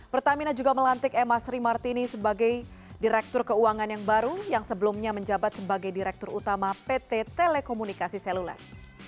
pertamina juga melantik emma sri martini sebagai direktur keuangan yang baru yang sebelumnya menjabat sebagai direktur utama pt telekomunikasi seluler